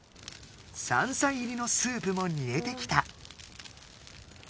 山菜入りのスープもにえてきた。